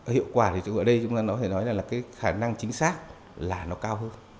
hiệu quả thì ở đây chúng ta có thể nói là cái khả năng chính xác là nó cao hơn